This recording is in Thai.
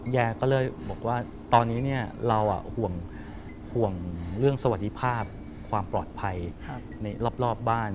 ยายก็เลยบอกว่าตอนนี้เราห่วงเรื่องสวัสดิภาพความปลอดภัยในรอบบ้าน